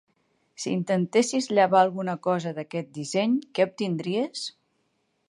Si intentessis llevar alguna cosa d'aquest disseny, què obtindries?